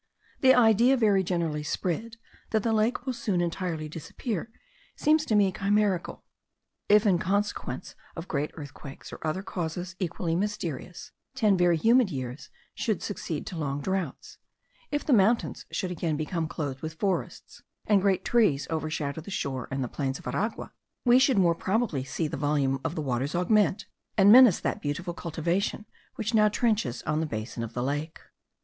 The idea very generally spread, that the lake will soon entirely disappear, seems to me chimerical. If in consequence of great earthquakes, or other causes equally mysterious, ten very humid years should succeed to long droughts; if the mountains should again become clothed with forests, and great trees overshadow the shore and the plains of Aragua, we should more probably see the volume of the waters augment, and menace that beautiful cultivation which now trenches on the basin of the lake.